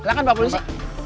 silakan pak polisi